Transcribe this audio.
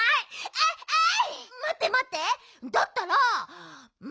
あいあい。